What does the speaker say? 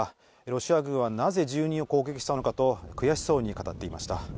ロシア軍はなぜ住人を攻撃したのかと、悔しそうに語っていました。